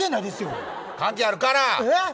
関係あるから！